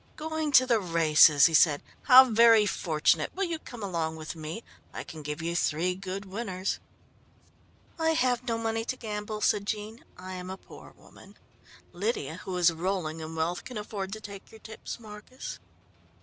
"Going to the races," he said, "how very fortunate! Will you come along with me? I can give you three good winners." "I have no money to gamble," said Jean, "I am a poor woman. Lydia, who is rolling in wealth, can afford to take your tips, Marcus."